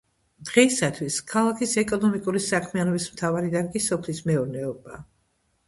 დღეისათვის, ქალაქის ეკონომიკური საქმიანობის მთავარი დარგი სოფლის მეურნეობაა.